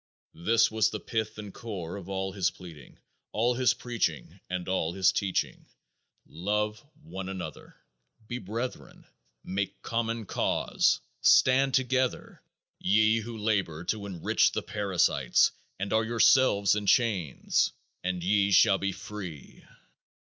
This was the pith and core of all his pleading, all his preaching, and all his teaching love one another, be brethren, make common cause, stand together, ye who labor to enrich the parasites and are yourselves in chains, and ye shall be free!